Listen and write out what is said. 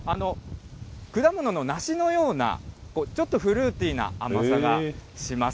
果物の梨のような、ちょっとフルーティーな甘さがします。